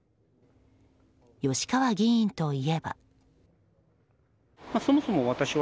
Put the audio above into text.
吉川議員といえば。